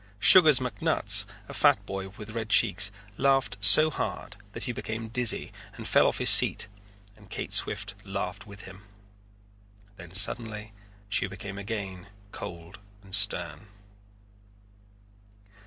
Sugars McNutts, a fat boy with red cheeks, laughed so hard that he became dizzy and fell off his seat and Kate Swift laughed with him. Then suddenly she became again cold and stern.